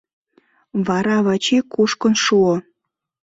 Вара Вачи кушкын шуо...